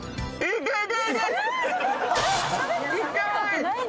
痛い！